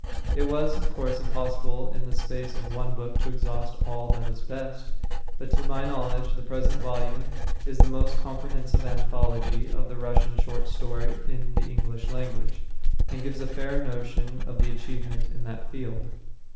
It was, of course, impossible in the space of one book to exhaust all that is best. But to my knowledge, the present volume is the most comprehensive anthology of the Russian short story in the English language, and gives a fair notion of the achievement in that field.